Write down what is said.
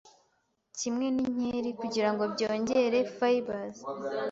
kimwe n’inkeri kugira ngo byongere fibres